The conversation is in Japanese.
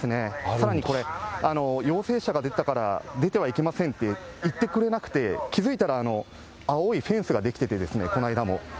さらにこれ、陽性者が出たから、出てはいけませんって言ってくれなくて、気付いたら青いフェンスが出来てて、この間も。